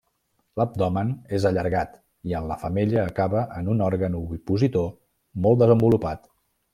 L'abdomen és allargat i en la femella acaba en un òrgan ovipositor molt desenvolupat.